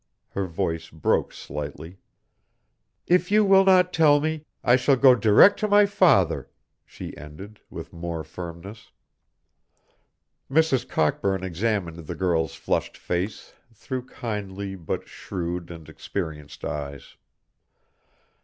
her voice broke slightly. "If you will not tell me, I shall go direct to my father," she ended, with more firmness. Mrs. Cockburn examined the girl's flushed face through kindly but shrewd and experienced eyes.